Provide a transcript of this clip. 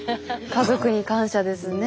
家族に感謝ですね。